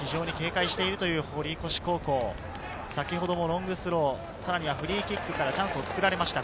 先ほどもロングスロー、さらにフリーキックからチャンスを作られました。